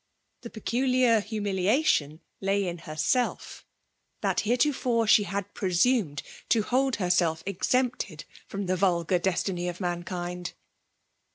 The peculiar humiliation lay in herself: that heretofore she had presumed to hold herself exempted from the vulgar destiny of mankind.